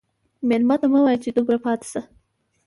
مېلمه ته مه وایه چې دومره پاتې شه.